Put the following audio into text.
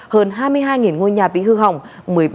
hơn hai mươi hai ngôi nhà bị nổ